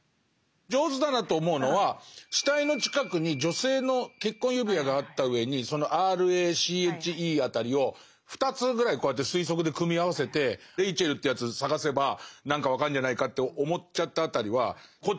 上手だなと思うのは死体の近くに女性の結婚指輪があったうえにその「ＲＡＣＨＥ」辺りを２つぐらいこうやって推測で組み合わせて「ＲＡＣＨＥＬ」っていうやつ捜せば何か分かんじゃないかって思っちゃった辺りはこっち側も「なるほど。